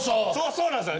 そうなんすよ！